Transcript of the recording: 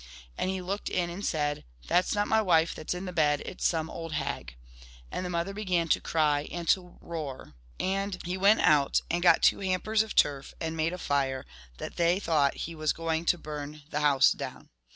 And he looked in and said, "That 's not my wife that 's in the bed, it 's some old hag." And the mother began to cry and to roar. And he went out and got two hampers of turf, and made a fire, 82 that they thought he was going to burn the house down.